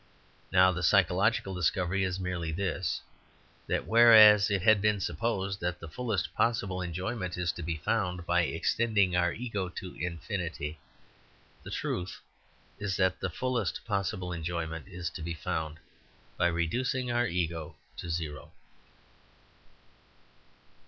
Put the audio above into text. Now, the psychological discovery is merely this, that whereas it had been supposed that the fullest possible enjoyment is to be found by extending our ego to infinity, the truth is that the fullest possible enjoyment is to be found by reducing our ego to zero.